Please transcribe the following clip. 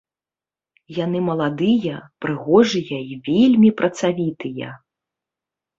Яны маладыя, прыгожыя і вельмі працавітыя.